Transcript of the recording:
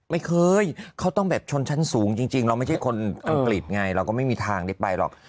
ไม่เคยเขาต้องแบบชนชั้นสูงจริงเราไม่ใช่คนอังกฤษไงเราก็ไม่มีทางได้ไปหรอก